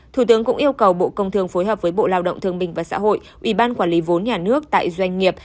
thủ tướng cũng yêu cầu bộ công thương phối hợp với bộ lao động thương minh và xã hội ủy ban quản lý vốn nhà nước tại doanh nghiệp